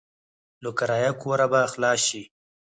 له کرايه کوره به خلاص شې.